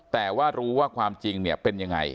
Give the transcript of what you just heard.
แต่ว่ารู้ว่าความจริงเนี่ยเป็นยังไง